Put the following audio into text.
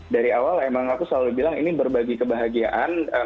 dari awal emang aku selalu bilang ini berbagi kebahagiaan